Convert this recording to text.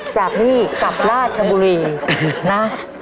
จากนี่กลับราชบุรีนะ